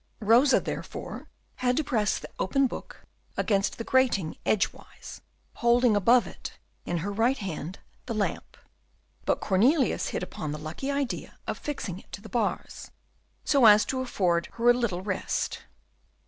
Rosa therefore had to press the open book against the grating edgewise, holding above it in her right hand the lamp, but Cornelius hit upon the lucky idea of fixing it to the bars, so as to afford her a little rest.